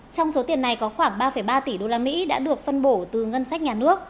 trong số tiền này có khoảng ba ba tỷ usd đã được phân bổ từ ngân sách nhà nước